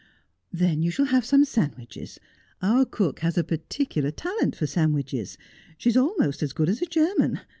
' Then you shall have some sandwiches. Our cook has a par ticular talent for sandwiches. She is almost as good as a German.